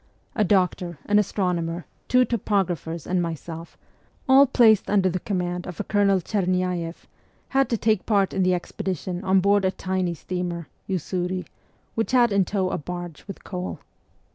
A doctor, an astronomer, two topographers, and myself, all placed under the command of a Colonel Chernyaeff, had to take part in the ex pedition on board a tiny steamer, Usuri, which had in tow a barge with coal.